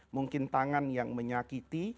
mungkin tangan yang menyakiti